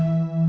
map aku senang